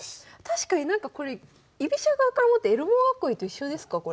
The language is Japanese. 確かになんかこれ居飛車側から持ってエルモ囲いと一緒ですかこれ。